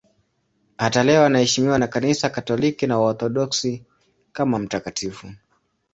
Hata leo anaheshimiwa na Kanisa Katoliki na Waorthodoksi kama mtakatifu.